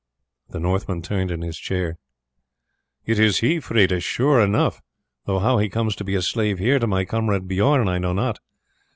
The Northman turned in his chair. "It is he, Freda, surely enough, though how he comes to be a slave here to my comrade Bijorn I know not.